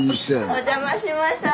お邪魔しました。